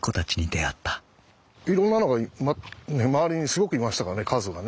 いろんなのが周りにすごくいましたからね数がね。